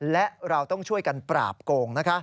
และเราต้องช่วยกันปราบโกง